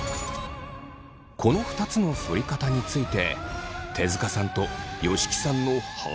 この２つのそり方について手塚さんと吉木さんの判定は？